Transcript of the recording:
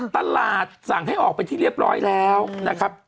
ตลาดสั่งให้ออกเป็นที่เรียบร้อยแล้วนะครับ